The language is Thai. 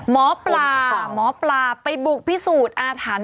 หมอปลาไปบุกพิสูจน์อาฐาน